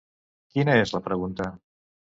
Quina és la pregunta?